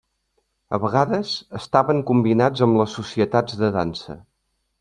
A vegades, estaven combinats amb les societats de dansa.